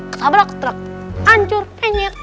ketabrak ketrek hancur penyet